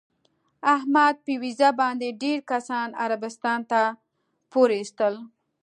احمد په ویزه باندې ډېر کسان عربستان ته پورې ایستل.